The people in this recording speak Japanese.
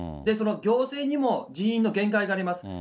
その行政にも人員の限界があります。